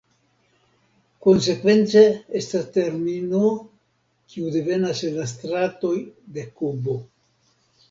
Konsekvence estas termino, kiu devenas el la stratoj de Kubo.